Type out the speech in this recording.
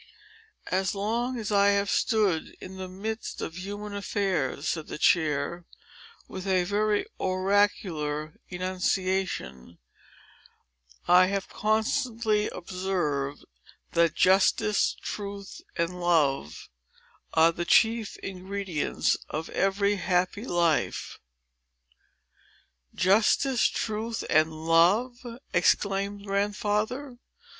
"As long as I have stood in the midst of human affairs," said the chair, with a very oracular enunciation, "I have constantly observed that JUSTICE, TRUTH, and LOVE, are the chief ingredients of every happy life." "Justice, Truth, and Love!" exclaimed Grandfather.